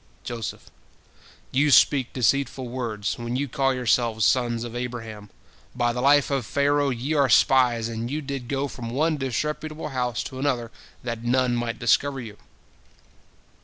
Joseph: "You speak deceitful words, when you call yourselves sons of Abraham. By the life of Pharaoh, ye are spies, and you did go from one disreputable house to another that none might discover you."